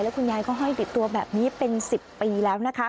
คุณยายก็ห้อยติดตัวแบบนี้เป็น๑๐ปีแล้วนะคะ